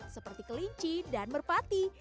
seperti kelinci dan merpati